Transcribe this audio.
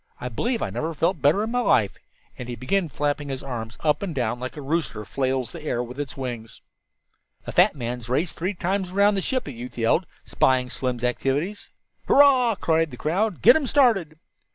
I believe I never felt better in my life," and he began flapping his arms up and down like a rooster flails the air with its wings. "A fat man's race three times around the ship!" a youth yelled, spying Slim's activities. "Hurrah!" cried the crowd. "Get them started."